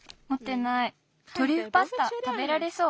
トリュフパスタたべられそう？